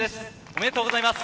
おめでとうございます。